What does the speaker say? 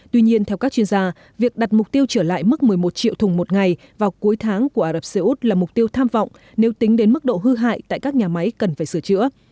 tuy nhiên theo các chuyên gia việc đặt mục tiêu trở lại mức một mươi một triệu thùng một ngày vào cuối tháng của ả rập xê út là mục tiêu tham vọng nếu tính đến mức độ hư hại tại các nhà máy cần phải sửa chữa